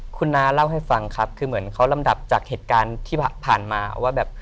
คุณน้าเล่าให้ฟังครับคือเหมือนเขาลำดับจากเหตุการณ์ที่ผ่านมาว่าแบบ